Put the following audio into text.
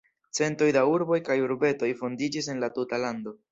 Centoj da urboj kaj urbetoj fondiĝis en la tuta lando.